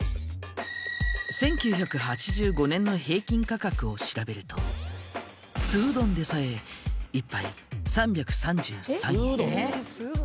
１９８５年の平均価格を調べると素うどんでさえ１杯３３３円。